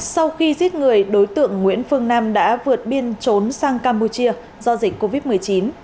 sau khi giết người đối tượng nguyễn phương nam đã vượt biên trốn sang campuchia do dịch covid một mươi chín